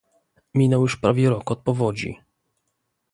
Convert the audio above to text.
Minął już prawie rok od powodzi